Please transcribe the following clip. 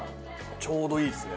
ちょうどいいですね。